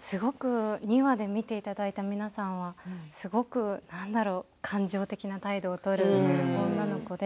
すごく２話で見ていただいた皆さんは何だろう感情的な態度をとる女の子で。